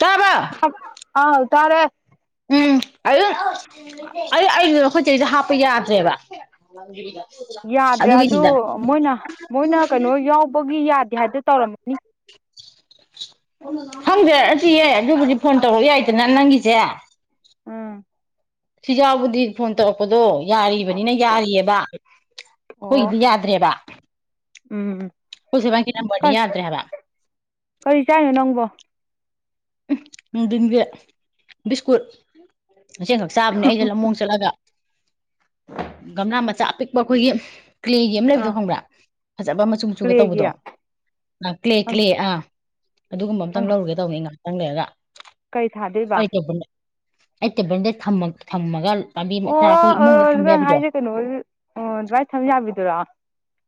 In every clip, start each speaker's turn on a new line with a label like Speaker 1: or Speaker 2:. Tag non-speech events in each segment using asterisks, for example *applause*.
Speaker 1: ꯇꯥꯔꯕ꯫
Speaker 2: ꯑ ꯇꯥꯔꯦ꯫
Speaker 1: ꯎꯝ ꯑꯗꯨ ꯑꯩ ꯑꯩꯗꯨꯗ ꯑꯩꯈꯣꯏ ꯆꯦꯗ ꯍꯥꯞꯄ ꯌꯥꯗ꯭ꯔꯦꯕ꯫
Speaker 2: ꯌꯥꯗ꯭ꯔꯦ ꯑꯗꯨ
Speaker 1: ꯑꯗꯨꯒꯤꯅꯤꯗ
Speaker 2: ꯃꯣꯏꯅ ꯃꯣꯏꯅ ꯀꯩꯅꯣ ꯌꯥꯎꯕꯒꯤ ꯌꯥ ꯗꯤ ꯍꯥꯏꯗ ꯇꯧꯔꯝꯃꯅꯤ꯫
Speaker 1: ꯈꯪꯖꯔꯛꯑꯁꯤꯌꯦ ꯑꯗꯨꯕꯨꯗꯤ ꯐꯣꯟ ꯇꯧꯔꯛ ꯌꯥꯏꯗꯅ ꯅꯪꯒꯤꯁꯦ
Speaker 2: ꯑꯝ
Speaker 1: ꯁꯤꯖꯥꯎꯕꯨꯗꯤ ꯐꯣꯟ ꯇꯧꯔꯛꯄꯗꯣ ꯌꯥꯔꯤꯕꯅꯤꯅ ꯌꯥꯔꯤꯑꯕ
Speaker 2: ꯑꯣ
Speaker 1: ꯑꯩꯈꯣꯏꯒꯤꯗꯤ ꯌꯥꯗ꯭ꯔꯦꯕ
Speaker 2: ꯎꯝ
Speaker 1: ꯄꯨꯦꯕꯥ ꯀꯅꯥ ꯃꯅꯤ ꯌꯥꯗ꯭ꯔꯦꯕ
Speaker 2: ꯀꯔꯤ ꯆꯥꯏꯅꯣ ꯅꯪꯕꯣ
Speaker 1: ꯎꯟꯕꯤ ꯕꯤꯁꯀꯨꯠ ꯃꯆꯦꯡꯈꯛ ꯆꯥꯕꯅꯦ ꯑꯩꯗ ꯂꯝꯃꯣꯡ ꯆꯠꯂꯒ ꯒꯝꯂꯥ ꯃꯆꯥ ꯑꯄꯤꯛꯄ ꯑꯩꯈꯣꯏꯒꯤ ꯀ꯭ꯂꯦꯒꯤ ꯑꯃ
Speaker 2: ꯑꯥ
Speaker 1: ꯂꯩꯕꯗꯣ ꯈꯪꯕ꯭ꯔꯥ ꯐꯖꯕ ꯃꯆꯨ ꯃꯆꯨꯒ
Speaker 2: ꯀ꯭ꯂꯦꯒꯤ
Speaker 1: ꯇꯧꯕꯗꯣ ꯑꯥ ꯀ꯭ꯂꯦ
Speaker 2: ꯑꯪ
Speaker 1: ꯀ꯭ꯂꯦ ꯑꯥ ꯑꯗꯨꯒꯨꯝꯕ ꯑꯃꯇꯪ
Speaker 2: ꯑꯪ
Speaker 1: ꯂꯧꯔꯨꯒꯦ ꯇꯧꯅꯤ ꯉꯍꯥꯛꯇꯪ ꯂꯩꯔꯒ
Speaker 2: ꯀꯩ ꯊꯥꯗꫭꯏꯕ꯫
Speaker 1: ꯑꯩ ꯑꯩ ꯇꯦꯕꯜꯗ ꯊꯝꯑ ꯊꯝꯃꯒ ꯄꯥꯝꯕꯤ ꯃꯆꯥ
Speaker 2: ꯑꯣ
Speaker 1: ꯑꯩꯈꯣꯏ ꯏꯃꯨꯡꯗ
Speaker 2: ꯑꯣ
Speaker 1: ꯊꯝꯕ
Speaker 2: ꯅꯪ
Speaker 1: ꯌꯥꯕꯤꯗꯣ
Speaker 2: ꯍꯥꯏꯁꯦ ꯀꯩꯅꯣ ꯑꯣ ꯑꯗꯨꯃꯥꯏꯅ ꯁꯝ ꯌꯥꯕꯤꯗꯨꯣꯏꯔꯣ꯫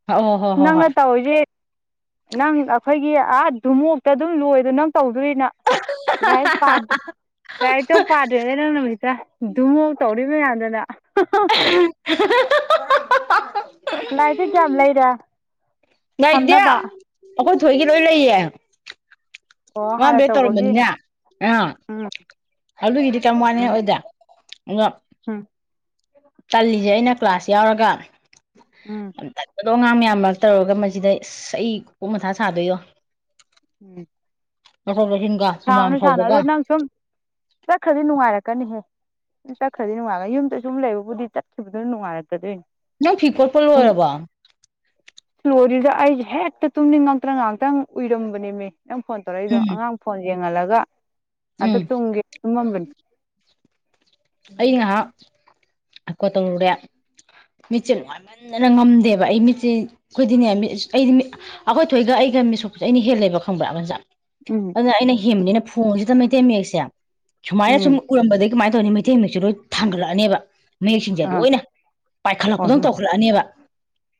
Speaker 1: ꯍꯣꯏ ꯍꯣꯏ ꯍꯣꯏ ꯍꯣꯏ ꯍꯣꯏ
Speaker 2: ꯅꯪꯅ ꯇꯧꯔꯤꯁꯦ ꯅꯪ ꯑꯩꯈꯣꯏꯒꯤ ꯑꯥ ꯗꯨꯃꯣꯛꯇ ꯑꯗꯨꯝ ꯂꯣꯏꯗꯣ ꯅꯪ ꯇꯧꯗꯣꯔꯤꯅ꯫ ꯂꯥꯏ ꯄꯥꯗ ꯂꯥꯏꯔꯤꯛꯇꯣ ꯄꯥꯗ꯭ꯔꯦꯗꯅꯅꯃꯤꯁ ꯗꯨꯃꯨꯛ ꯇꯧ ꯕꯤ ꯃꯌꯥꯝꯗꯅ
Speaker 1: *unintelligible*
Speaker 2: ꯂꯥꯏꯗꯤ ꯀꯌꯥꯝ ꯂꯩꯔꯦ꯫
Speaker 1: ꯉꯥꯏꯇꯦ
Speaker 2: ꯊꯝꯅꯕ
Speaker 1: ꯑꯩꯈꯣꯏ ꯊꯣꯏꯒꯤ ꯂꯣꯏ ꯂꯩꯌꯦ꯫
Speaker 2: ꯑꯣ
Speaker 1: ꯋꯥ
Speaker 2: ꯍꯥꯟꯅ
Speaker 1: ꯕꯦ
Speaker 2: ꯇꯧꯕꯒꯤ
Speaker 1: ꯇꯧꯔꯝꯑꯅꯤꯅꯦ ꯑꯥ꯫
Speaker 2: ꯎꯝ
Speaker 1: ꯑꯂꯨꯒꯤꯗꯤ ꯀꯔ ꯋꯥꯅꯤ
Speaker 2: ꯎꯝ
Speaker 1: ꯑꯣꯏꯗꯦ ꯑꯗꫭ
Speaker 2: ꯎꯝ
Speaker 1: ꯇꯜꯂꯤꯁꯦ ꯑꯩꯅ ꯀ꯭ꯂꯥꯁ ꯌꯥꯎꯔꯒ
Speaker 2: ꯎꯝ
Speaker 1: ꯑꯗꯣ ꯑꯉꯥꯡ ꯃꯌꯥꯝ ꯃꯔꯛ ꯇꯧꯔꯒ ꯃꯁꯤꯗ ꯑꯩ ꯀꯣꯛ ꯃꯊꯥ ꯁꯥꯗꯣꯏꯌꯣ꯫
Speaker 2: *inaudible*
Speaker 1: ꯍꯨꯃꯥꯡ
Speaker 2: ꯁꯥꯔꯅꯨ ꯁꯥꯅꯨ
Speaker 1: ꯁꯧꯕꯒ
Speaker 2: ꯑꯗꯣ ꯅꯪ ꯁꯨꯝ ꯆꯠꯈ꯭ꯔꯗꯤ ꯅꯨꯡꯉꯥꯏꯔꯛꯀꯅꯤꯍꯦ꯫ ꯆꯠꯈ꯭ꯔꯗꯤ ꯅꯨꯡꯉꯥꯏꯔꯅꯤ ꯌꯨꯝꯗ ꯁꯨꯝ ꯂꯩꯕꯕꯨꯗꯤ ꯆꯠꯈꯤꯕꯗꯨꯅ ꯅꯨꯡꯉꯥꯏꯔꯛꯀꯗꯣꯏꯅꯤ꯫
Speaker 1: ꯅꯪ ꯐꯤ ꯀꯣꯔꯂꯣꯏꯔꯕꫭ꯫
Speaker 2: ꯂꯣꯔꯤꯗ ꯑꯩꯁꯦ ꯍꯦꯛꯇ ꯇꯨꯝꯅꯤꯡ ꯉꯛꯇ ꯉꯥꯛꯇꯪ ꯎꯏꯔꯝꯕꯅꯦꯃꯤ ꯅꯪ ꯐꯣꯟ ꯇꯧꯔꯛꯏꯗꯣ
Speaker 1: ꯎꯝ
Speaker 2: ꯑꯉꯥꯡ ꯐꯣꯟ ꯌꯦꯡꯍꯜꯂꯒ
Speaker 1: ꯎꯝ
Speaker 2: ꯉꯇꯪ ꯇꯨꯝꯒꯦ ꯇꯨꯝꯃꯝꯕꯅꯤ꯫
Speaker 1: ꯑꯩ ꯉꯍꯥꯛ ꯑꯈꯋꯥꯠ ꯇꯧꯔꯨꯔꯦ꯫ ꯃꯤꯠꯁꯦ ꯂꯅꯨꯡꯉꯥꯏꯃꯟꯗꯅ ꯉꯝꯗꯦꯕ ꯑꯩ ꯃꯤꯠꯁꯦ ꯑꯩꯈꯣꯏꯗꯤꯅꯦ ꯑꯩꯗꯤ ꯃꯤ ꯑꯩꯈꯣꯏꯊꯣꯏꯒ ꯑꯩ ꯒ ꯃꯤꯁꯣꯄꯁꯦ ꯑꯩꯅ ꯍꯦꯜ ꯂꯩꯕ ꯈꯪꯕ꯭ꯔꯥꯕꯖꯥ
Speaker 2: ꯎꯝ
Speaker 1: ꯑꯗꯨꯅ ꯑꯩꯅ ꯍꯦꯟꯕꯅꯤꯅ ꯐꯣꯡꯁꯤꯗ ꯃꯩꯇꯩ ꯃꯌꯦꯛꯁꯦ ꯁꯨꯃꯥꯏꯅ
Speaker 2: ꯎꯝ
Speaker 1: ꯁꯨꯝ ꯎꯔꯝꯕꯗꯒꯤꯩ ꯀꯃꯥꯏꯅ ꯅꯤ ꯃꯩꯇꯩ ꯃꯌꯦꯛꯁꯨ ꯂꯣꯏ ꯊꯥꯡꯒꯠꯂꯛꯑꯅꯦꯕ ꯃꯌꯦꯛꯁꯤꯡꯁꯦ
Speaker 2: ꯑꯥ
Speaker 1: ꯂꯣꯏꯅ
Speaker 2: ꯍꯣꯏ
Speaker 1: ꯄꯥꯏꯈꯠꯂꯛꯄꯗꯧꯅ
Speaker 2: ꯍꯣꯏ
Speaker 1: ꯇꯧꯈꯠꯂꯛꯑꯅꯦꯕ꯫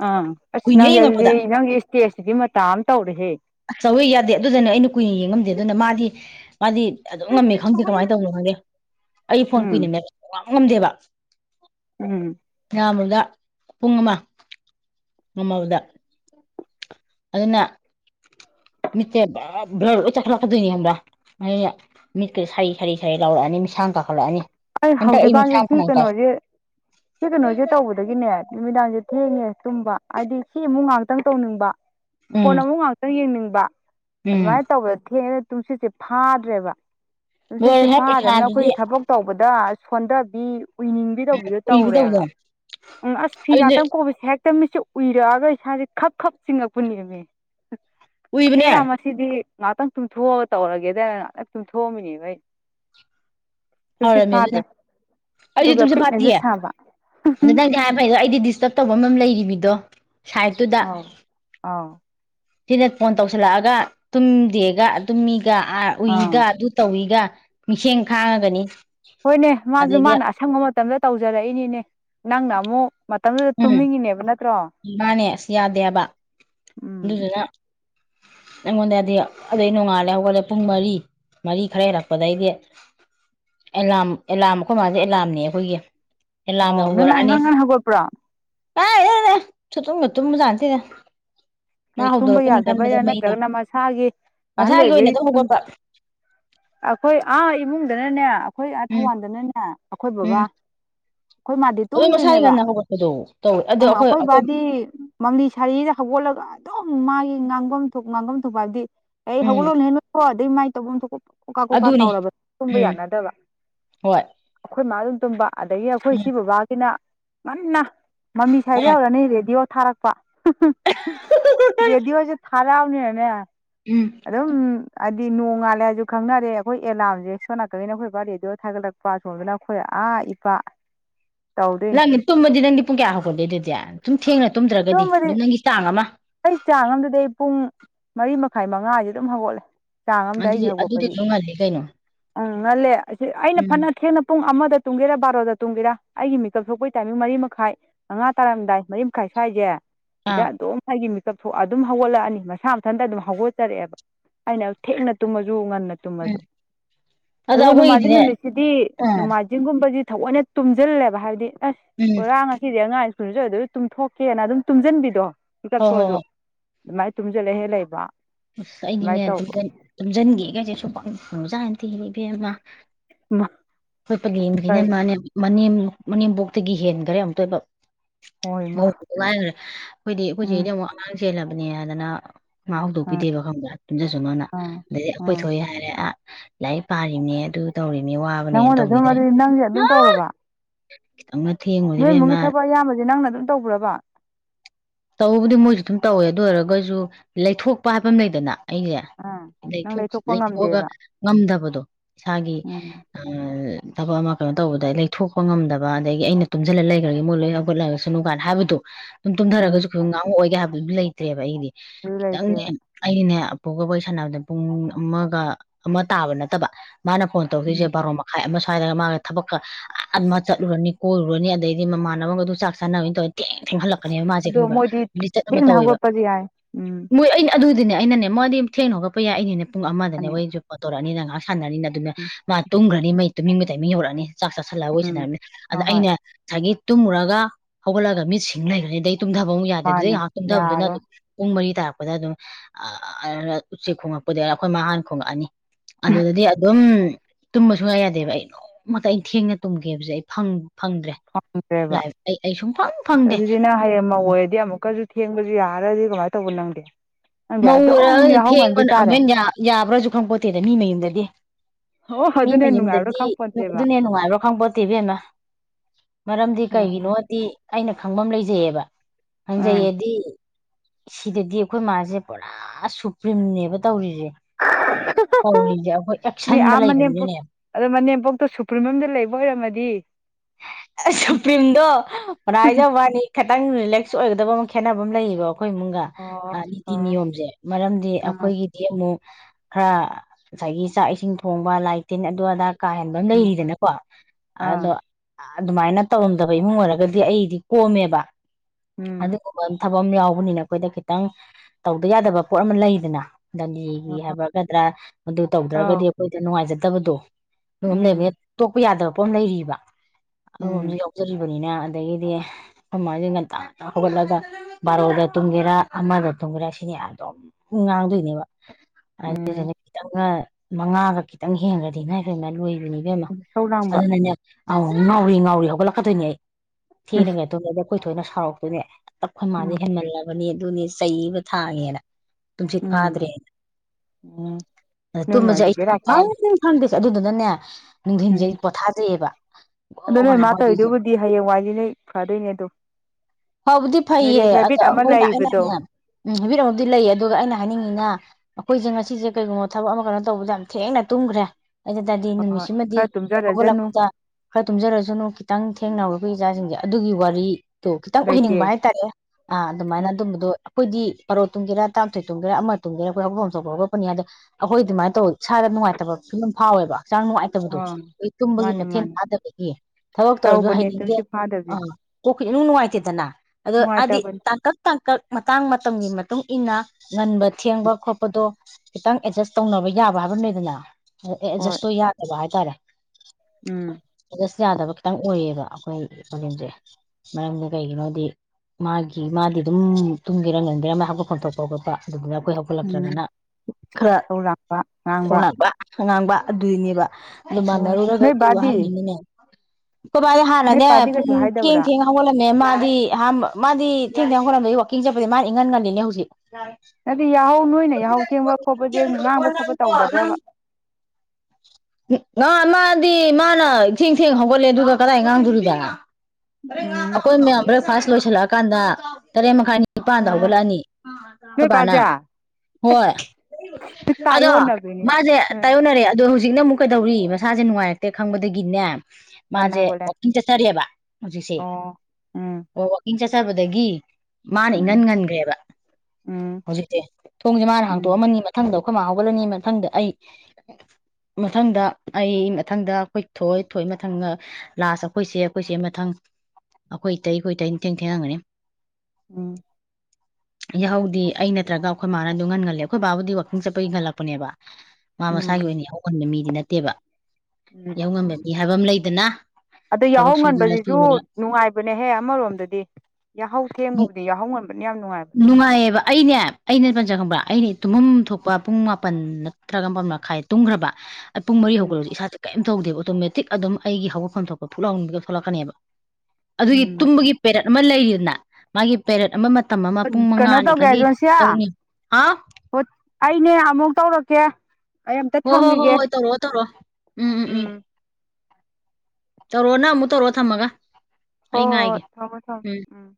Speaker 2: ꯑꯥ ꯑꯁ
Speaker 1: ꯀꯨꯏꯅ ꯍꯦꯛ
Speaker 2: ꯅꯪꯁꯦ ꯑꯗꯨꯗꯤ
Speaker 1: ꯌꯦꯡꯉꯛꯄꯗ
Speaker 2: ꯅꯪꯒꯤ ꯏꯁꯇꯦꯖꯇꯨꯒꯤ ꯃꯇꯥ ꯑꯃ ꯇꯧꯔꯦꯍꯦ꯫
Speaker 1: ꯑꯁ ꯆꯥꯎꯧꯋꯤ ꯌꯥꯗꯦ ꯑꯗꯨꯗꯅ ꯑꯩꯅ ꯀꯨꯏꯅ ꯌꯦꯡꯉꯝꯗꯦ ꯑꯗꯨꯅ ꯃꯥꯗꯤ ꯃꯥꯗꯤ ꯑꯗꯨꯝ ꯉꯝꯃꯦ ꯈꯪꯗꯦ ꯀꯃꯥꯏꯅ ꯇꯧꯅꯣ ꯈꯪꯗꯦ ꯑꯩ ꯐꯣꯟ
Speaker 2: ꯎꯝ
Speaker 1: ꯀꯨꯏꯅꯅꯦ ꯉꯝꯗꯦꯕ꯫
Speaker 2: ꯎꯝ꯫
Speaker 1: ꯑꯥꯃꯗ ꯄꯨꯡ ꯑꯃ ꯉꯝꯃꯕꯗ ꯑꯗꯨꯅ ꯃꯤꯠꯠꯇꯦ ꯕ꯭ꯂꯔ ꯑꯣꯏ ꯆꯠꯈꯠꯂꯛꯀꯗꯣꯏꯅꯤ꯭ꯔ ꯃꯤꯠꯀ ꯁꯥꯏ ꯁ ꯁꯥꯏ ꯂꯥꯎꯔꯛꯑꯅꯤ ꯏꯁꯥꯡ ꯄꯥꯈꯠꯂꯛꯑꯅꯤ
Speaker 2: ꯑꯩ ꯍꯧꯖꯤꯛꯀꯥꯟꯁꯦ ꯁꯤ ꯀꯩꯅꯣꯁꯦ ꯁꯤ ꯀꯩꯅꯣꯁꯦ ꯇꯧꯕꯗꯒꯤꯅꯦ ꯅꯨꯃꯤꯗꯥꯡꯁꯦ ꯊꯦꯡꯉꯦ ꯇꯨꯝꯕ ꯍꯥꯏꯗꯤ ꯁꯤ ꯑꯃꯨꯛ ꯉꯍꯥꯛꯇꯪ ꯇꯧꯅꯤꯡꯕ
Speaker 1: ꯎꯝ
Speaker 2: ꯐꯣꯟ ꯑꯃꯨꯛ ꯉꯥꯛꯍꯥꯛꯇꯪ ꯌꯦꯡꯅꯤꯡꯕ
Speaker 1: ꯎꯝ
Speaker 2: ꯑꯗꯨꯃꯥꯏꯅ ꯇꯧꯕꯗ ꯊꯦꯡꯉꯒ ꯅꯨꯡꯁꯤꯠꯁꯦ ꯐꯥꯗ꯭ꯔꯦꯕ ꯁꯤꯠꯁꯦ
Speaker 1: ꯂꯣꯏꯔꯦꯍꯦ
Speaker 2: ꯐꯥꯔꯕꯅꯤꯅ
Speaker 1: ꯄꯩꯈꯥꯗꯨꯗꯤ
Speaker 2: ꯑꯩꯈꯣꯏꯒꯤ ꯊꯕꯛ ꯇꯧꯕꯗ ꯁꯣꯟꯊꯕꯤ ꯎꯏꯅꯤꯡꯕꯤ ꯇꯧꯕꯤꯗꯣ
Speaker 1: ꯎꯏꯕ ꯇꯧꯕꯗꯣ
Speaker 2: ꯇꯧꯔꯦꯕ ꯎꯝ ꯑꯁ ꯐꯤ
Speaker 1: ꯑꯗꯨꯗꯤ
Speaker 2: ꯉꯥꯛꯇꯪ ꯀꯣꯁꯦ ꯍꯦꯛ ꯁꯝꯃꯤꯁꯦ ꯎꯏꯔꯛꯑꯒ ꯏꯁꯥꯥꯁꯦ ꯈꯞ ꯈꯞ ꯆꯤꯡꯉꯛꯄ ꯅꯦꯝꯃꯦ꯫
Speaker 1: ꯎꯏꯕꯅꯦ
Speaker 2: ꯑꯦꯔꯥ ꯃꯁꯤꯗꯤ ꯉꯍꯥꯛꯇꯪ ꯇꯨꯝꯊꯣꯛꯑꯒ ꯇꯧꯔꯒꯦꯗꯏꯔ ꯉꯥꯛꯇꯪ ꯇꯨꯝꯊꯣꯛꯑꯃꯤꯅꯦꯕꯩ꯫ ꯇꯨꯝꯁꯤꯠ ꯐꯥꯗ꯭ꯔꯦ꯫
Speaker 1: ꯑꯩꯁꯨ ꯑꯗꯨꯨꯝꯁꯦ
Speaker 2: ꯄꯤꯛꯅꯁꯨ
Speaker 1: ꯐꯥꯠꯇꯤꯑ
Speaker 2: ꯁꯥꯕ
Speaker 1: ꯑꯗꯣ ꯅꯪꯗꯤ ꯍꯥꯏ ꯐꯩꯗꯣ ꯑꯩꯗꯤ ꯗꯤꯁ ꯆꯞ ꯇꯧꯕ ꯃꯝ ꯂꯩꯔꯤꯕꯤꯗꯣ ꯁꯥꯏꯠꯇꯨꯗ꯫
Speaker 2: ꯑꯧ ꯑꯧ
Speaker 1: ꯁꯤꯅ ꯐꯣꯟ ꯇꯧꯁꯤꯜꯂꯛꯑꯒ ꯇꯨꯝꯗꯦꯒ ꯇꯨꯝꯃꯤꯒ ꯑ ꯎꯏꯒ
Speaker 2: ꯑꯥ
Speaker 1: ꯑꯗꯨ ꯇꯧꯏꯒ꯫ ꯃꯤꯁꯦꯡ ꯈꯥꯡꯉꯒꯅꯤ꯫
Speaker 2: ꯍꯣꯏꯅꯦ ꯃꯥꯁꯨ
Speaker 1: ꯑꯗꯒꯤ
Speaker 2: ꯃꯥꯅ ꯑꯁꯪꯕ ꯃꯇꯝꯗ ꯇꯧꯖꯔꯛꯏꯅꯤꯅꯦ ꯅꯪꯅ ꯑꯃꯨꯛ ꯃꯇꯝꯗꯨꯗ
Speaker 1: ꯎꯝ
Speaker 2: ꯇꯨꯝꯅꯤꯡꯉꯤꯅꯦꯕ ꯅꯠꯇ꯭ꯔꯣ
Speaker 1: ꯃꯥꯅꯦ ꯑꯁ ꯌꯥꯗꯦꯕ
Speaker 2: ꯎꯝ
Speaker 1: ꯑꯗꯨꯗꯨꯅ
Speaker 2: *unintelligible*
Speaker 1: ꯑꯩꯉꯣꯟꯗ ꯍꯥꯏꯗꯤ ꯑꯗꯨꯗꯩ ꯅꯣꯡꯉꯥꯜꯂꯦ ꯍꯧꯒꯠꯂꯦ ꯄꯨꯡ ꯃꯔꯤ ꯃꯔꯤ ꯈꯔ ꯍꯦꯜꯂꯛꯄꯗꯩꯗꯤ ꯑꯦꯂꯥꯝ ꯑꯦꯂꯥꯔꯝ ꯑꯩꯈꯣꯏ ꯃꯥꯜꯁꯦ ꯑꯦꯂꯥꯝꯅꯦ ꯑꯩꯈꯣꯏꯒꯤ ꯑꯦꯂ
Speaker 2: ꯑꯣ ꯅꯣꯏ
Speaker 1: ꯂꯔ
Speaker 2: ꯃꯥ
Speaker 1: ꯑꯅꯤ
Speaker 2: ꯉꯟ ꯉꯟ ꯍꯧꯒꯠꯄ꯭ꯔꯣ
Speaker 1: ꯇꯥꯏꯅꯦ ꯁꯠꯇꯨꯝꯁꯨꯠꯇꯨꯝ ꯆꯥꯟꯁꯤꯦꯅꯦ
Speaker 2: ꯀ ꯇꯨꯝꯕ ꯌꯥꯗꯕꯩꯔꯥ ꯅꯠꯇ꯭ꯔꯒꯅ ꯃꯁꯥꯒꯤ ꯑꯍꯜ
Speaker 1: ꯃꯁꯥꯒꯤ ꯑꯣꯏꯅ ꯑꯗꯨꯝ
Speaker 2: ꯑꯣꯏꯕꯩꯨꯝ
Speaker 1: ꯍꯧꯒꯠꯄ
Speaker 2: ꯑꯩꯈꯣꯏ ꯑꯥ ꯏꯃꯨꯡꯗꯅꯅꯦ ꯑꯩꯈꯣꯏ ꯑꯥ
Speaker 1: ꯎꯝ
Speaker 2: ꯊꯧꯕꯥꯜꯗꯅꯅꯦ ꯑꯩꯈꯣꯏ
Speaker 1: ꯎꯝ
Speaker 2: ꯕꯕꯥ ꯑꯩꯈꯣꯏ ꯃꯥꯗꯤ
Speaker 1: ꯑꯗꯨꯝ ꯃꯁꯥꯒꯤ
Speaker 2: ꯇꯨꯝꯗꯣꯏꯅꯦꯕ
Speaker 1: ꯉꯟꯅ ꯍꯧꯒꯠꯄꯗꯣ ꯇꯧꯋꯦ ꯑꯗꯣ
Speaker 2: ꯑꯝ ꯑꯩꯈꯣꯏ ꯕꯥꯗꯤ ꯃꯂꯤ ꯁꯥꯔꯤꯗ ꯍꯧꯒꯠꯂꯒ ꯁꯨꯝ ꯃꯥꯒꯤ ꯉꯥꯡꯐꯝ ꯊꯣꯛ ꯉꯥꯡꯐꯝ ꯊꯣꯛꯄ ꯍꯥꯏꯕꯗꯤ ꯑꯩ
Speaker 1: ꯎꯝ
Speaker 2: ꯍꯧꯒꯠꯂꯣꯟ ꯍꯦꯟꯕꯣ ꯑꯗꯗꯒꯤ ꯃꯥꯏ ꯇꯧꯐꯝ ꯊꯣꯛꯄ ꯀꯣꯀꯥ ꯀꯣꯀꯥ
Speaker 1: ꯑꯗꯨꯅꯤ
Speaker 2: ꯇꯧꯔꯕ ꯇꯨꯝꯕ
Speaker 1: ꯎꯝ
Speaker 2: ꯌꯥꯅꯗꯕ
Speaker 1: ꯍꯣꯏ
Speaker 2: ꯑꯩꯈꯣꯏ ꯃꯥꯥ ꯑꯗꯨꯝ ꯇꯨꯝꯕ ꯑꯗꯒꯤ ꯑꯩꯈꯣꯏ
Speaker 1: ꯎꯝ
Speaker 2: ꯁꯤ ꯕꯕꯥꯒꯤꯅ ꯉꯟꯅ ꯃꯃꯤ ꯁꯥꯏꯗ
Speaker 1: ꯑ
Speaker 2: ꯌꯧꯔꯅꯤ ꯔꯦꯗꯤꯑꯣ ꯊꯥꯔꯛꯄ ꯔꯦꯗꯤꯑꯣꯁꯦ ꯊꯥꯔꯛꯑꯕꯅꯤꯅꯅꯦ
Speaker 1: ꯎꯝ
Speaker 2: ꯑꯗꯨꯝ ꯍꯥꯏꯗꯤ ꯅꯣꯡꯉꯥꯜꯂꯦ ꯍꯥꯏꯁꯨ ꯈꯪꯅꯔꯦ ꯑꯩꯈꯣꯏ ꯑꯦꯂꯥꯝꯦ ꯁꯣ ꯅꯥꯀꯅꯤꯅ ꯑꯩꯈꯣꯏ ꯕꯥ ꯔꯦꯗꯤꯑꯣ ꯊꯥꯒꯠꯂꯛꯄ ꯁꯣꯗꯅ ꯑꯩꯈꯣꯏ ꯑ ꯏꯄꯥ ꯇꯧꯗꯣꯏꯅꯤ
Speaker 1: ꯅꯪꯅꯦ ꯇꯨꯝꯃꯗꯤ ꯅꯪꯗꯤ ꯄꯨꯡ ꯀꯌꯥ ꯍꯧꯒꯠꯗꯣꯏ ꯑꯗꯨꯗꯤ ꯁꯨꯝ ꯊꯦꯡꯅ ꯇꯨꯝꯗ꯭ꯔꯒꯗꯤ
Speaker 2: ꯇꯨꯝꯕꯗꯤ
Speaker 1: ꯑꯗꯨꯝ ꯅꯪꯒꯤ ꯇꯥꯡ ꯑꯃ
Speaker 2: ꯑꯩ ꯆꯥꯡ ꯑꯃꯗꯨꯗꯤ ꯑꯩ ꯄꯨꯡ ꯃꯔꯤ ꯃꯈꯥꯏ ꯃꯉꯥꯗꯤ ꯑꯗꯨꯝ ꯍꯧꯒꯠꯂꯦ ꯆꯥꯡ ꯑꯃꯗ
Speaker 1: ꯑꯗꯨꯗꯤ
Speaker 2: ꯑꯩꯒꯤ
Speaker 1: ꯑꯗꯨꯗꯤ
Speaker 2: ꯍꯧꯒꯠꯄꯗꯤ
Speaker 1: ꯑꯗꯨꯝ ꯉꯜꯂꯤ ꯀꯩꯅꯣ
Speaker 2: ꯑꯪ ꯉꯜꯂꯦ ꯑꯁꯤ ꯑꯩꯅ
Speaker 1: ꯎꯝ
Speaker 2: ꯐꯅ ꯊꯦꯡꯅ ꯄꯨꯡ ꯑꯃꯗ ꯇꯨꯝꯒꯦꯔꯥ ꯕꯥꯔꯣꯗ ꯇꯨꯝꯒꯦꯔꯥ ꯑꯩꯒꯤ ꯃꯤꯀꯞ ꯁꯣꯛꯄꯒꯤ ꯇꯥꯏꯃꯤꯡ ꯃꯔꯤ ꯃꯈꯥꯏ ꯃꯉꯥ ꯇꯥꯔꯝꯗꯥꯏ ꯃꯔꯤ ꯃꯈꯥꯏ ꯁ꯭ꯋꯥꯏꯁꯦ
Speaker 1: ꯑꯥ
Speaker 2: ꯆꯗꯥꯛꯗ ꯑꯩꯒꯤ ꯃꯤꯦꯀꯞ ꯊꯣꯛ ꯑꯗꯨꯝ ꯍꯧꯒꯠꯂꯛꯑꯅꯤ ꯃꯁꯥ ꯃꯊꯟꯇ ꯑꯗꯨꯝ ꯍꯧꯒꯠꯆꯔꯛꯑꯦꯕ ꯑꯩꯅ ꯊꯦꯡꯅ ꯇꯨꯝꯃꯁꯨ ꯉꯟꯅ ꯇ ꯑꯗꯨ
Speaker 1: ꯎꯝ ꯑꯗꯣ
Speaker 2: ꯑꯗꯨꯕꯨꯃ
Speaker 1: ꯑꯩꯈꯣꯏꯒꯤꯗꯤꯅꯦ
Speaker 2: ꯅꯨꯃꯤꯁꯤꯗꯤ
Speaker 1: ꯑꯥ
Speaker 2: ꯅꯃꯒꯨꯝꯕꯗꯤ ꯊꯑꯣꯏꯅ ꯇꯨꯝꯁꯤꯜꯂꯦꯕ ꯍꯥꯏꯕꯗꯤ ꯑꯁ
Speaker 1: ꯎꯝ
Speaker 2: ꯄꯨꯔꯥ ꯉꯁꯤꯗꯤ ꯑꯉꯥꯏ ꯁꯨꯁ ꯑꯗꯨ ꯇꯨꯝꯊꯣꯛꯀꯦꯅ ꯑꯗꯨꯝ ꯇꯨꯝꯁꯤꯟꯕꯤꯗꯣ ꯄꯤ
Speaker 1: ꯍꯣꯏ ꯍꯣꯏ
Speaker 2: ꯇꯞꯊꯣꯛꯑꯁꯨ
Speaker 1: ꯍꯣꯏ
Speaker 2: ꯑꯗꯨꯃꯥꯏꯅ ꯇꯨꯝꯁꯤꯜꯂꯦ ꯍꯦ ꯂꯩꯕ
Speaker 1: ꯑꯁ ꯑꯩꯅꯤꯅꯦ
Speaker 2: ꯑꯗꯨꯃꯥꯏꯅ
Speaker 1: ꯇꯨꯝ
Speaker 2: ꯇꯧꯕ
Speaker 1: ꯇꯨꯝꯁꯤꯟꯒꯦ ꯀꯩꯁꯦ ꯁꯨꯄ ꯅꯨꯡꯖꯥꯅ ꯊꯤꯂ ꯏꯕꯦꯝꯅ
Speaker 2: *unintelligible*
Speaker 1: ꯈꯣꯠꯄ ꯌꯦꯡꯕꯅꯤꯅ
Speaker 2: ꯀꯔꯤ
Speaker 1: ꯃꯥꯅ ꯃꯅꯦꯝ ꯃꯅꯦꯝꯕꯣꯛꯇꯒꯤ ꯍꯦꯟꯈꯔꯦ ꯑꯃꯝꯇ ꯑꯣꯏꯕ
Speaker 2: ꯍꯣꯏ ꯏꯃꯥ
Speaker 1: ꯅꯨꯡꯉꯥꯏꯈ꯭ꯔꯦ ꯑꯩꯈꯣꯏꯗꯤ
Speaker 2: ꯎꯝ
Speaker 1: ꯑꯩꯈꯣꯏꯁꯦꯗꯤ ꯑꯃꯨꯛ ꯑꯉꯥꯡ ꯆꯦꯜꯂꯕꯅꯦꯗꯅ ꯃꯥ
Speaker 2: ꯑꯥ
Speaker 1: ꯍꯧꯗꯣꯛꯄꯤꯗꯦꯕ ꯈꯪꯗ ꯁꯨꯝꯖ ꯁꯅꯅ
Speaker 2: ꯑꯥ
Speaker 1: ꯑꯗꯩ ꯑꯩꯈꯣꯏ
Speaker 2: ꯑꯥ
Speaker 1: ꯊꯣꯛꯏꯦ ꯍꯥꯏꯔꯦ ꯑ ꯂꯥꯏꯛ ꯄꯥꯔꯤꯅꯦ ꯑꯗꯨ ꯇꯧꯔꯤꯅꯦ ꯋꯥꯕꯅꯦ
Speaker 2: ꯅꯪꯉꯣꯟꯗ ꯑꯗꯨꯝ ꯑꯗꯨꯗꯤ ꯅꯪꯁꯦ ꯑꯗꯨꯝ ꯇꯧꯨꯔꯕ
Speaker 1: ꯎ
Speaker 2: ꯅꯣꯏꯃꯨꯛꯒꯤ ꯊꯕꯛ ꯑꯌꯥꯝꯕꯁꯦ ꯅꯪꯅ ꯑꯗꯨꯝ ꯇꯧꯕ꯭ꯔꯕ
Speaker 1: ꯇꯧꯕꯕꯨꯗꯤ ꯃꯣꯏꯁꯨ ꯑꯗꯨꯝ ꯇꯧꯋꯦ ꯑꯗꯨ ꯑꯣꯏꯔꯒꯁꯨ ꯂꯩꯊꯣꯛꯄ ꯍꯥꯏꯐꯝ ꯑꯃ ꯂꯩꯗꯅ ꯑꯩꯁꯦ
Speaker 2: ꯑꯥ ꯅꯪ ꯂꯩꯊꯣꯛꯄ
Speaker 1: ꯂꯩꯊꯣꯛꯑꯒ
Speaker 2: ꯉꯝꯗꯦꯕ
Speaker 1: ꯉꯝꯗꯕꯗꯣ ꯏꯁꯥꯒꯤ
Speaker 2: ꯎꯝ
Speaker 1: ꯑ ꯊꯕꯛ ꯑꯃ ꯀꯩꯅꯣ ꯇꯧꯕꯗ ꯂꯩꯊꯣꯛꯄ ꯉꯝꯗꯕ ꯑꯗꯒꯤ ꯑꯩꯅ ꯇꯨꯝꯁꯤꯜꯂ ꯂꯩꯈ꯭ꯔꯒꯦ ꯃꯣꯏ ꯂꯣꯏ ꯍꯧꯒꯠꯂꯒꯁꯨ ꯨ ꯀꯥꯏꯅ ꯍꯥꯏꯕꯗꯣ ꯑꯗꯨꯝ
Speaker 2: ꯎꯝ
Speaker 1: ꯇꯨꯝꯊꯔꯒꯁꯨꯝ ꯉꯥꯡꯉꯧꯑꯣꯏꯒꯦ ꯍꯥꯏꯕꯗꯨ ꯑꯗꯨꯝ ꯂꯩꯇ꯭ꯔꯦꯕ ꯑꯩꯗꯤ
Speaker 2: ꯑꯗꯨ
Speaker 1: ꯈꯤꯇꯪꯅꯦ
Speaker 2: ꯂꯩꯇꯦꯕ
Speaker 1: ꯑꯩꯅꯦ ꯄꯨꯀ ꯋꯥꯔꯤꯣꯏ ꯁꯥꯟꯅꯕꯗ ꯄꯨꯡ ꯑꯃꯒ ꯑꯃ ꯇꯥꯕ ꯅꯠꯇꯕ ꯃꯥꯅ ꯐꯣꯟ ꯇꯧꯗꯔꯤꯣꯏꯁꯦ
Speaker 2: ꯎꯝ
Speaker 1: ꯕꯥꯔꯣ ꯃꯈꯥꯏ ꯑꯃꯁꯨ ꯁ꯭ꯋꯥꯏꯗꯒ ꯃꯥꯒ ꯊꯕꯛꯀ ꯑ ꯑꯃ ꯆꯠꯂꯨꯔꯅꯤ ꯀꯣꯏꯔꯨꯔꯅꯤ ꯑꯗꯩꯗꯤ ꯃꯃꯥꯟꯅꯕꯒ ꯑꯗꯨ ꯆꯥꯛ ꯁꯥꯟꯅꯕꯅꯤꯅ ꯇꯧ ꯊꯦꯡ ꯊꯦꯡꯍꯜꯂꯛꯀꯅꯦꯕ ꯃꯥꯁꯦ
Speaker 2: ꯑꯗꯣ
Speaker 1: ꯈꯪꯕ꯭ꯔ
Speaker 2: ꯃꯣꯏꯗꯤ
Speaker 1: ꯂꯤꯆꯠ ꯑꯃ
Speaker 2: ꯊꯦꯡꯅ
Speaker 1: ꯇꯧꯋꯦꯕ
Speaker 2: ꯍꯧꯒꯠꯄꯁꯨ ꯌꯥꯏ ꯎꯝ
Speaker 1: ꯃꯣꯏ ꯑꯩꯅ ꯑꯗꯨ ꯑꯗꯨꯅꯦ ꯑꯩꯅꯅꯦ ꯃꯣꯏꯗꯤ ꯊꯦꯡꯅ ꯍꯧꯒꯠꯄ ꯌꯥꯏ ꯑꯩꯅꯤꯅꯦ ꯄꯨꯡ ꯑꯃꯗꯅꯦ
Speaker 2: ꯃꯥꯅꯤ
Speaker 1: ꯃꯈꯣꯏꯁꯨ ꯇꯧꯛꯅꯤꯅ ꯁꯥꯟꯅꯅꯤꯅ ꯑꯗꯨꯅ
Speaker 2: ꯎꯝ
Speaker 1: ꯃꯥ ꯇꯨꯝꯈ꯭ꯔꯅꯤ ꯃꯩ ꯇꯨꯝꯅꯤꯡꯕ ꯇꯥꯏꯃꯤꯡ ꯌꯧꯔꯛꯑꯅꯤ ꯆꯥꯛ ꯆꯥꯥꯁꯜꯂꯑꯑꯣꯣꯏꯁꯤꯅ
Speaker 2: ꯎꯝ
Speaker 1: ꯍꯥꯏꯔꯕꯅꯤ ꯑꯗ
Speaker 2: ꯍꯣꯏ ꯍꯣꯏ
Speaker 1: ꯑꯩꯅ ꯉꯁꯥꯏꯒꯤ ꯇꯨꯝꯃꯨꯔꯒ ꯍꯧꯒꯠꯂꯒ ꯃꯤ ꯁꯤꯡꯅꯈꯅꯤ ꯑꯗꯩ ꯇꯨꯝꯊꯕ ꯑꯃꯨꯛ ꯌꯥꯗꯦ ꯑꯗꯨꯗꯩ
Speaker 2: ꯃꯥꯅꯦ
Speaker 1: ꯉꯥꯏꯍꯥꯛ ꯇꯨꯝꯊꯕꯗꯨꯅ
Speaker 2: ꯌꯥꯔꯣꯏ
Speaker 1: ꯑꯗꯨꯝ ꯄꯨꯡ ꯃꯔꯤ ꯇꯥꯔꯛꯄꯗ ꯑꯗꯨꯝ ꯎꯆꯦꯛ ꯈꯣꯡꯉꯛꯄꯗ ꯑꯣꯏꯔ ꯑꯩꯈꯣꯏ ꯃꯥꯟ ꯈꯣꯡꯉꯛꯑꯅꯤ ꯑꯗꯨꯗꯗꯤ ꯑꯗꯨꯝ ꯇꯨꯝꯕ ꯁꯨꯡꯉꯌꯥ ꯌꯥꯗꯦꯕ ꯑꯩ ꯅꯣꯝꯃꯛꯇ ꯑꯩꯅ ꯊꯦꯡꯅ ꯇꯨꯝꯒꯦꯕꯁꯦ ꯑꯩ ꯐꯪꯕ
Speaker 2: ꯐꯪꯗ꯭ꯔꯦꯕ
Speaker 1: ꯁꯨꯡꯐꯪ
Speaker 2: ꯑꯁ
Speaker 1: ꯐꯪꯗꯦ
Speaker 2: ꯑꯗꯨꯗꯤ ꯅꯪ ꯍꯌꯦꯡꯃꯛ
Speaker 1: ꯎꯝ
Speaker 2: ꯑꯣꯏꯔꯗꯤ ꯑꯃꯨꯛ ꯀꯁꯨ ꯊꯦꯡꯒꯁꯨ ꯌꯥꯔꯗꯤ ꯀꯃꯥꯏꯅ ꯇꯧꯕ ꯅꯪꯗꯦ
Speaker 1: ꯃꯧꯔ ꯊꯦꯡꯕꯅ ꯌꯥꯕ꯭ꯔꯁꯨ ꯈꯪꯄꯣꯠꯇꯦꯗ ꯃꯤ ꯃꯌꯨꯝꯗꯗꯤ
Speaker 2: ꯑꯣ
Speaker 1: ꯃꯤ
Speaker 2: ꯑꯗꯨꯅꯦ ꯅꯨꯡꯉꯥꯏꯕ꯭ꯔꯥ
Speaker 1: ꯃꯌꯨꯝꯗꯗꯤ
Speaker 2: ꯈꯪꯄꯣꯟꯇꯦꯕ
Speaker 1: ꯑꯗꯨꯅꯦ ꯅꯨꯡꯉꯥꯏꯕ꯭ꯔꯣ ꯈꯪꯕꯣꯠꯇꯦꯕꯦꯝꯃ ꯃꯔꯝꯗꯤ
Speaker 2: ꯎꯝ
Speaker 1: ꯀꯩꯒꯤꯅꯣꯗꯤ ꯑꯩꯅ ꯈꯪꯐꯝ ꯂꯩꯖꯩꯌꯦꯕ
Speaker 2: ꯎꯝ
Speaker 1: ꯈꯪꯖꯩꯌꯦꯗꯤ ꯁꯤꯗꯗꯤ ꯑꯩꯈꯣꯏ ꯃꯥꯁꯦ ꯄꯨꯔꯥ ꯁꯨꯄ꯭ꯔꯤꯝꯅꯦꯕ ꯇꯧꯔꯤꯁꯦ ꯍꯅꯤꯡꯖ
Speaker 2: ꯃꯤ ꯑꯥ ꯃꯅꯦꯝꯄꯣꯛ ꯑꯗꯣ ꯃꯅꯦꯝꯄꯣꯛꯇꯣ ꯁꯨꯄ꯭ꯔꯤꯕꯝꯗ ꯂꯩꯕ ꯑꯣꯏꯔꯝꯃꯗꯤ
Speaker 1: ꯁꯨꯄ꯭ꯔꯤꯝꯗꯣ ꯔꯖꯕꯥꯅꯤ ꯈꯤꯇꯪ ꯔꯤꯂꯦꯛꯁ ꯑꯣꯏꯒꯗꯕ ꯑꯃ ꯈꯦꯠꯅꯕ ꯑꯃ ꯂꯩꯌꯦꯕꯀꯣ ꯑꯩꯈꯣꯏ ꯏꯃꯨꯡꯒ
Speaker 2: ꯑꯣ
Speaker 1: ꯅꯤꯇꯤ
Speaker 2: ꯑꯣ
Speaker 1: ꯅꯤꯌꯣꯝꯁꯦ ꯃꯔꯝꯗꯤ
Speaker 2: ꯑꯥ
Speaker 1: ꯑꯩꯈꯣꯏꯒꯤꯗꯤ ꯑꯃꯨꯛ ꯈꯔ ꯉꯁꯥꯏꯒꯤ ꯆꯥꯛ ꯏꯁꯤꯡ ꯊꯣꯡꯕ ꯂꯥꯏ ꯇꯤꯟ ꯑꯗꯨ ꯑꯗꯥ ꯀꯥ ꯍꯦꯟꯗꯅ
Speaker 2: ꯎꯝ
Speaker 1: ꯂꯩꯔꯤꯗꯅꯀꯣ
Speaker 2: ꯑꯥ
Speaker 1: ꯑꯗꯣ ꯑꯗꯨꯃꯥꯏꯅ ꯇꯧꯔꯝꯗꯕ ꯏꯃꯨꯡ ꯑꯣꯏꯔꯒꯗꯤ ꯑꯩꯗꯤ ꯀꯣꯝꯃꯦꯕ
Speaker 2: ꯎꯝ
Speaker 1: ꯑꯗꯨꯒꯨꯝꯕ ꯊꯕꯛ ꯑꯃ ꯌꯥꯎꯕꯅꯤꯅ ꯑꯩꯈꯣꯏꯗ ꯈꯤꯇꯪ ꯇꯧꯗ ꯌꯥꯗꯕ ꯄꯣꯠ ꯑꯃ ꯂꯩꯗꯅ ꯗꯅꯦꯒꯤ ꯍꯥꯏꯕꯔꯛꯒꯗ꯭ꯔꯥ ꯃꯗꯨ
Speaker 2: ꯑꯥꯎ
Speaker 1: ꯇꯧꯗ꯭ꯔꯒꯗꯤ ꯑꯩꯈꯣꯏꯗ ꯅꯨꯡꯉꯥꯏꯖꯗꯕꯗꯣ ꯝ ꯂꯩꯕꯅꯤ
Speaker 2: ꯎꯝ
Speaker 1: ꯇꯣꯛꯄ ꯌꯥꯗꯕ ꯄꯣ ꯑꯃ ꯂꯩꯔꯤꯕ ꯑꯣꯝꯁꯨ
Speaker 2: ꯎꯝ
Speaker 1: ꯌꯥꯎꯖꯔꯤꯕ ꯅꯤꯅ ꯑꯗꯒꯤꯗꯤ ꯐꯁꯤ ꯉꯟꯇꯥ ꯉꯟ ꯍꯧꯒꯠꯂꯒ ꯕꯥꯔꯣꯗ ꯇꯨꯝꯒꯦꯔꯥ ꯑꯃꯗ ꯇꯨꯝ ꯈꯈ꯭ꯔꯥ ꯁꯤꯅꯦ ꯑꯗꯨꯝ ꯉꯥꯡꯗꯣꯏꯅꯦꯕ
Speaker 2: ꯎꯝ
Speaker 1: ꯑꯗꯨꯗꯨꯅ ꯈꯤꯇꯪꯒ ꯃꯉꯥꯒ ꯈꯤꯇꯪ ꯍꯦꯟꯒ꯭ꯔꯗꯤꯅ ꯑꯩꯈꯣꯏꯃ ꯂꯣꯏ ꯀꯩꯅ
Speaker 2: ꯏꯁꯧ ꯂꯥꯡꯕ
Speaker 1: ꯑꯗꯨꯅꯅꯦ ꯑ ꯉꯥꯎꯔꯤ ꯉꯥꯎꯔꯤ ꯍꯧꯒꯠꯂꯛꯀꯗꯣꯏꯅꯦ ꯑꯩ ꯊꯦꯡꯅꯉꯩꯗꯅꯦꯗ ꯑꯩꯈꯣꯏ ꯊꯣꯏꯅ ꯁꯥꯎꯔꯛꯇꯣꯏꯅꯦꯞꯈꯣꯏ ꯃꯥꯜꯅ
Speaker 2: ꯎꯝ
Speaker 1: ꯍꯦꯟꯃꯜꯂꯕꯅꯤꯅ ꯑꯗꯨꯅꯦ ꯆꯩꯕ ꯊꯥꯡꯉꯦꯅ ꯇꯨꯝꯁꯤꯠ
Speaker 2: ꯎꯝ
Speaker 1: ꯐꯥꯗ꯭ꯔꯦꯅ
Speaker 2: ꯎꯝ
Speaker 1: ꯑ
Speaker 2: ꯅꯣꯏ
Speaker 1: ꯇꯨꯝꯕꯁꯦ
Speaker 2: ꯃꯥꯗꯤ
Speaker 1: ꯑꯩ
Speaker 2: ꯕꯦꯔꯥ ꯀꯥꯔꯦ
Speaker 1: ꯐꯪꯗꯦ ꯑꯗꯨꯗꯨꯅꯅꯦ ꯅꯨꯡꯊꯤꯟꯁꯦ ꯑꯩ ꯄꯣꯊꯥꯖꯩꯑꯕ ꯒꯣ
Speaker 2: ꯑ
Speaker 1: ꯒꯣ
Speaker 2: ꯅꯣꯏ ꯃꯥꯥ
Speaker 1: ꯅꯥꯀꯣꯡꯁꯦ
Speaker 2: ꯇꯧꯔꯤꯗꯨꯕꯨꯗꯤ ꯍꯌꯦꯡ ꯋꯥꯏꯗꯤ ꯅꯣꯏ ꯐꯗꯣꯏꯅꯦ ꯑꯗꯣ
Speaker 1: ꯍꯕꯨꯗꯤ
Speaker 2: ꯅꯣꯏꯗꯤ
Speaker 1: ꯐꯩꯌꯦ ꯑꯗꯣ
Speaker 2: ꯍꯦꯕꯤꯠ ꯑꯃ
Speaker 1: ꯑꯩꯈꯣꯏꯅ ꯑꯩꯅ
Speaker 2: ꯂꯩꯕꯗꯣ
Speaker 1: ꯎꯝ ꯍꯥꯏꯕꯤꯔꯝꯃꯕꯨꯗꯤ ꯂꯩ ꯑꯗꯨꯒ ꯑꯩꯅ ꯍꯥꯏꯅꯤꯡꯉꯤꯅ ꯑꯩꯈꯣꯏꯁꯦ ꯉꯁꯤꯁꯦ ꯀꯩꯒꯨꯝꯕ ꯊꯕꯛ ꯑꯃ ꯀꯩꯅꯣ ꯇꯧꯕꯗ ꯌꯥꯝ ꯊꯦꯡꯅ ꯇꯨꯝꯈ꯭ꯔꯦ ꯑꯗꯨꯗ ꯇꯗꯤ
Speaker 2: ꯍꯣꯏ ꯍꯣꯏ
Speaker 1: ꯅꯨꯃꯤꯠꯁꯤꯃꯗꯤ
Speaker 2: ꯈꯔ ꯇꯨꯝꯖꯔꯖꯅꯨ
Speaker 1: ꯍꯧꯒꯠꯂꯛꯄꯗ ꯈꯔ ꯇꯨꯝꯖꯔꯁꯨꯅꯨ ꯈꯤꯇꯪ ꯊꯦꯡꯅꯕꯅꯕ ꯑꯩꯈꯣꯏ ꯏꯆꯥꯁꯤꯡꯁꯦ ꯑꯗꯨꯒꯤ ꯋꯥꯔꯤ ꯑꯗꯨꯣ ꯈꯤꯇꯪ
Speaker 2: ꯂꯩꯇꯦ
Speaker 1: ꯑꯣꯏꯍꯟꯅꯤꯡꯕ ꯍꯥꯏꯇꯥꯔꯦ ꯑ ꯑꯗꯨꯃꯥꯏꯅ ꯑꯗꯨꯝꯕꯗꯣ ꯑꯩꯈꯣꯏꯗꯤ ꯄꯔꯣ ꯇꯨꯝꯒꯦꯔꯥꯔꯥꯊꯣꯏ ꯇꯒꯦꯥ ꯑꯃ ꯇꯨꯝꯒꯦꯔ ꯑꯩꯈꯣꯏ ꯑꯄꯐꯝꯆ ꯆꯥꯎꯄꯒ ꯈꯣꯠꯄꯅꯤ ꯑꯗ ꯑꯩꯈꯣꯏ ꯑꯗꯨꯃꯥꯏꯅ ꯇꯧꯋ ꯅꯨꯡꯉꯥꯏꯇꯕ ꯐ ꯑꯗꯨꯝ ꯐꯥꯎꯋꯦꯕ ꯍꯛꯆꯥꯡ ꯅꯨꯡꯉꯥꯏꯇꯕꯗꯣ
Speaker 2: ꯑꯥ
Speaker 1: ꯑꯩ ꯇꯨꯝꯕꯒꯤ
Speaker 2: ꯃꯥꯅꯤ
Speaker 1: ꯃꯊꯦꯜ
Speaker 2: ꯃꯥꯅꯤ
Speaker 1: ꯊꯕꯛ ꯇꯧꯔꯁꯨ
Speaker 2: ꯇꯧꯕꯅꯦ
Speaker 1: ꯍꯩꯅꯤꯡꯗꯦ
Speaker 2: ꯇꯨꯝꯁꯤꯠ
Speaker 1: ꯑ
Speaker 2: ꯐꯥꯗꯕꯁꯦ
Speaker 1: ꯀꯣꯛ ꯅꯨꯡ ꯅꯨꯡꯉꯥꯏꯇꯦꯗꯅ ꯑꯗꯣ ꯍꯥꯏꯗꯤ
Speaker 2: ꯅꯨꯡꯉꯥꯏꯇꯕꯅꯤ
Speaker 1: ꯇꯥꯡꯀꯛ ꯇꯥꯡꯀꯛ ꯃꯇꯥꯡ ꯃꯇꯝꯒꯤ ꯃꯇꯨꯡ ꯏꯟꯅ ꯉꯟꯕ ꯊꯦꯡꯕ ꯈꯣꯠꯄꯗꯣ ꯈꯤꯇꯪ ꯑꯦꯗꯖꯁ ꯇꯧꯅꯕ ꯌꯥꯕ ꯍꯥꯏꯕꯅꯦꯗꯅ ꯑꯦ
Speaker 2: ꯍꯣꯏ
Speaker 1: ꯖꯁꯇꯣ ꯌꯥꯗꯕ ꯍꯥꯏꯇꯥꯔꯦ
Speaker 2: ꯎꯝ
Speaker 1: ꯑꯁ ꯌꯥꯗꯕ ꯈꯤꯇꯪ ꯑꯣꯏꯌꯦꯕ ꯑꯩꯈꯣꯏꯒꯤ ꯄ꯭ꯔꯣꯕ꯭ꯂꯦꯝꯁꯦ ꯃꯔꯝꯗꯤ ꯀꯩꯒꯤꯅꯣꯗꯤ ꯃꯥꯒꯤ ꯃꯥꯗꯤ ꯑꯗꯨꯝ ꯇꯨꯝꯒꯦꯔ ꯉꯟꯒꯦꯔ ꯍꯥꯞꯒꯠꯐꯝꯣꯟ ꯊꯣꯛꯄ ꯈꯣꯠꯄ ꯑꯗꯨꯗꯨ ꯀꯣꯏ
Speaker 2: ꯎꯝ
Speaker 1: ꯍꯥꯥꯎꯄꯖ꯭ꯔꯕ ꯅ ꯈꯔ
Speaker 2: ꯏꯁꯧ ꯂꯥꯡꯕ ꯉꯥꯡꯕ
Speaker 1: ꯁꯧꯅꯕ ꯉꯥꯡꯕ ꯑꯗꯨꯏꯅꯦꯕ ꯑꯗꯨ
Speaker 2: ꯑꯣ
Speaker 1: ꯃꯥꯟꯅꯔꯨꯔꯒ
Speaker 2: ꯅꯣꯏ ꯕꯥꯗꯤ
Speaker 1: ꯑꯗꯨꯟ ꯀꯕꯥ
Speaker 2: ꯅꯣꯏ
Speaker 1: ꯍꯥꯟꯅꯗꯦ
Speaker 2: ꯕꯥꯗꯤ
Speaker 1: ꯄꯨꯡ
Speaker 2: ꯀꯩꯁꯨ
Speaker 1: ꯀ
Speaker 2: ꯍꯥꯏꯗꯕ꯭ꯔꯥ
Speaker 1: ꯊꯦꯡ ꯍꯥ ꯅꯦ ꯃꯥꯗꯤ ꯑ ꯃꯥꯗꯤ ꯊꯦꯡꯅꯩꯈꯠꯂꯝꯗꯏ ꯋꯥꯀꯤꯡ ꯆꯠꯄꯗꯤ ꯃꯥ ꯏꯪꯍꯟꯒꯅꯤꯅꯦ ꯍꯧꯖꯤꯛ
Speaker 2: ꯅꯠꯇꯦ ꯌꯥꯍꯧ ꯅꯣꯏꯅ ꯌꯥꯍꯧ ꯊꯦꯡꯕ ꯈꯣꯠꯄꯁꯦ ꯉꯥꯡꯕ ꯈꯣꯠꯄ ꯇꯧꯗꯕ꯭ꯔꯕ
Speaker 1: *unintelligible* ꯎ ꯑ ꯃꯥꯗꯤ ꯃꯥꯅ ꯊꯊꯦꯡ ꯊꯦꯡ ꯍꯧꯒꯠꯂꯦ ꯑꯗꯨꯒ ꯀꯗꯥꯏ ꯉꯥꯡꯗꯣꯔꯤꯗꯅ
Speaker 2: ꯎꯝ
Speaker 1: ꯑꯩꯈꯣꯏ ꯃꯌꯥꯝ ꯕ꯭ꯔꯦꯛꯐꯥꯁ ꯂꯣꯏꯁꯤꯜꯂꯛꯑꯀꯥꯟꯗ ꯇꯔꯦꯠ ꯃꯈꯥꯏꯅꯤ ꯅꯤꯄꯥꯟꯗ
Speaker 2: ꯑꯣ
Speaker 1: ꯍꯧꯒꯠꯂꯛꯑꯅꯤ
Speaker 2: ꯅꯣꯏ
Speaker 1: ꯕꯥꯅ
Speaker 2: ꯕꯥꯖꯦ ꯑꯁ
Speaker 1: ꯍꯣꯏ ꯑꯗꯣ
Speaker 2: ꯇꯥꯏꯌꯣꯟꯅꯕꯤꯅꯤ
Speaker 1: ꯃꯥꯁꯦ
Speaker 2: ꯎꯝ
Speaker 1: ꯇꯥꯏꯌꯧꯅꯔꯦ ꯑꯣ ꯍꯧꯖꯤꯛ ꯍꯧꯖꯤꯛꯅ ꯑꯃꯨꯛ ꯀꯩꯗꯧꯔꯤ ꯃꯁꯥꯁꯦ ꯅꯨꯡꯉꯥꯏꯔꯛꯇꯦ ꯈꯪꯕꯗꯒꯤꯅꯦ
Speaker 2: ꯉꯟꯅ
Speaker 1: ꯃꯥꯁꯦ
Speaker 2: ꯍꯧꯒꯠꯂꯦ
Speaker 1: ꯋꯀꯤꯡ ꯆꯠꯆꯔꯤꯦꯕ ꯍꯧꯖꯤꯛꯁꯦ
Speaker 2: ꯑꯣ ꯎꯝ
Speaker 1: ꯋꯥꯀꯤꯡꯠ ꯆꯕꯗꯒ ꯃꯥꯅ ꯏꯪꯈꯟ
Speaker 2: ꯎꯝ
Speaker 1: ꯉꯟꯈ꯭ꯔꯦꯕ
Speaker 2: ꯎꯝ
Speaker 1: ꯍꯧꯖꯤꯛꯁꯦ ꯊꯣꯡꯁꯦ ꯃꯥꯅ
Speaker 2: ꯎꯝ
Speaker 1: ꯍꯥꯡꯇꯣꯛꯑꯝꯃ ꯃꯊꯪꯗ ꯈꯃꯥꯡ ꯍꯧꯒꯠꯂꯅꯤ ꯃꯊꯪꯗ ꯑꯩ ꯃꯊꯪꯗ ꯑꯩ ꯃꯊꯪꯗ ꯑꯩꯈꯣꯏ ꯊꯣꯏ ꯊꯣꯏ ꯃꯊꯪ ꯂꯥꯁ ꯑꯩꯈꯣꯏꯁꯦ ꯑꯩꯈꯣꯏꯁꯦ ꯃꯊꯪ ꯑꯩꯈꯣꯏ ꯏꯇꯩ ꯑꯩꯈꯣꯏ ꯏꯇꯩꯊꯦꯡ ꯊꯦꯡꯅꯒꯅꯤ
Speaker 2: ꯎꯝ
Speaker 1: ꯌꯥꯍꯧꯗꯤ ꯑꯩ ꯅꯠꯇ꯭ꯔꯒ ꯑꯩꯈꯣꯏ ꯃꯥꯃꯅ ꯑꯗꯨꯝ ꯈꯟꯒꯜꯂꯦ ꯑꯩꯈꯣꯏ ꯕꯥꯕꯨꯗꯤ ꯋꯥꯋꯥꯛꯀꯤꯡ ꯆꯠꯄꯒꯤ ꯏ ꯈꯠꯂꯛꯄꯅꯦꯕ ꯃꯥ
Speaker 2: ꯎꯝ
Speaker 1: ꯃꯁꯥꯒꯤ ꯑꯣꯏꯅ ꯌꯧ ꯉꯟꯕ ꯃꯤꯗꯤ ꯅꯠꯇꯦꯕ ꯏꯧ ꯉꯟꯕ ꯃꯤ ꯍꯥꯏꯕ ꯑꯃ ꯂꯩꯗꯅ
Speaker 2: ꯑꯗ
Speaker 1: ꯊꯕꯛ
Speaker 2: ꯌꯥꯎꯍꯧ
Speaker 1: ꯁꯨꯒꯦꯔꯥ
Speaker 2: ꯉꯟꯕꯁꯤꯁꯨ
Speaker 1: ꯁꯨꯔꯣꯏꯒꯦꯔꯥ
Speaker 2: ꯅꯨꯡꯉꯥꯏꯕꯅꯦꯍꯦ ꯑꯃꯔꯣꯝꯗꯗꯤ ꯌꯥꯍꯧ ꯊꯦꯡꯕꯕꯨꯗꯤ ꯌꯥꯍꯧ ꯉꯝꯕꯅ ꯌꯥꯝ ꯅꯨꯡꯉꯥꯏꯕꯅꯦ
Speaker 1: ꯑꯩꯅꯦ ꯑꯩꯅ ꯖ ꯈꯪꯕ꯭ꯔꯥ ꯑꯩꯅ ꯇꯨꯝꯐꯝ ꯊꯣꯛꯄ ꯄꯨꯡ ꯃꯥꯄꯟ ꯅꯠꯇ꯭ꯔꯒ ꯃꯥꯄꯜ ꯃꯈꯥꯏ ꯇꯨꯝꯈ꯭ꯔꯕ ꯄꯨꯡ ꯃꯔꯤ ꯍꯧꯈ꯭ꯔꯁꯨ ꯏꯁꯥꯁꯦ ꯀꯩꯝ ꯇꯧꯗꯦꯕ ꯑꯣꯇꯣꯃꯦꯇꯤꯛ ꯑꯗꯨꯝ ꯑꯩꯒꯤ ꯍꯧꯒꯠꯐꯝ ꯊꯣꯛꯄ ꯐꯨꯠꯂꯥꯎꯅꯤꯡꯕꯒ ꯊꯣꯛꯂꯛꯀꯅꯦꯕ ꯑꯗꯨꯒꯤ
Speaker 2: ꯎꯝ
Speaker 1: ꯇꯨꯝꯕꯒꯤ ꯄꯦꯔꯠ ꯑꯃ ꯂꯩꯔꯤꯗꯅ ꯃꯥꯒꯤ ꯄꯦꯔꯠ ꯑꯃ ꯃꯇꯝ ꯑꯃ ꯄꯨꯡ
Speaker 2: ꯀꯩꯅꯣ
Speaker 1: ꯃꯉꯥꯅꯤ ꯈꯪꯗꯦ
Speaker 2: ꯇꯧꯒꯦꯖꯣꯟꯁꯤꯌꯥ
Speaker 1: ꯇꯔꯨꯛꯅꯤ ꯍꯥ
Speaker 2: ꯑꯩꯅꯦ ꯑꯃꯨꯛ ꯇꯧꯔꯛ ꯑꯣꯀꯦ ꯑꯩ ꯑꯝꯇ
Speaker 1: ꯍꯣ ꯍꯣ ꯍꯣ
Speaker 2: ꯊꯝꯈꯤꯒꯦ
Speaker 1: ꯍꯣꯏ ꯇꯧꯔꯛꯑꯣ
Speaker 2: ꯎꯝ
Speaker 1: ꯇ ꯔꯣꯅꯥ ꯑꯃꯨꯛꯇ ꯔꯣ ꯊ ꯃꯒ
Speaker 2: ꯍ ꯊꯃꯣ ꯊꯃ ꯎꯝ